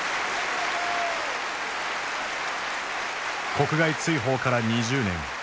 国外追放から２０年。